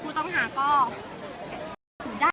ผู้ต้องหาก็ถือได้